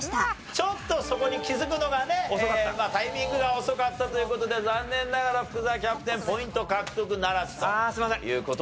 ちょっとそこに気づくのがねタイミングが遅かったという事で残念ながら福澤キャプテンポイント獲得ならずという事でございました。